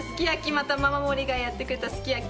またママ森がやってくれたすき焼き。